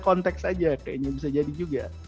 konteks aja kayaknya bisa jadi juga